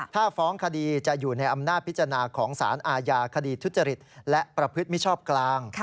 ถ้าฟ้องคดีจะอยู่ในอำนาจพิจารณาของสารอาญาคดีทุจริตและประพฤติมิชชอบกลาง